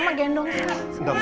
gak banyak wajah ya